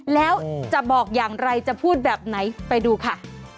แล้วจะบอกอย่างไรจะพูดแบบไหนไปดูค่ะ